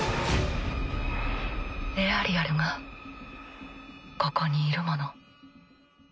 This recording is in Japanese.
エアリアルがここにいるもの。